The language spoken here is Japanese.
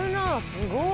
すごい。